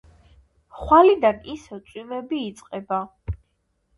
ხვალიდან ისევ წვიმები იწყება